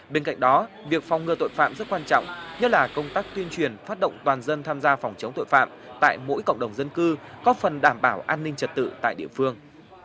bên cạnh đó việc phòng ngừa tội phạm rất quan trọng nhất là công tác tuyên truyền phát động toàn dân tham gia phòng chống tội phạm tại mỗi cộng đồng dân cư có phần đảm bảo an ninh trật tự tại địa phương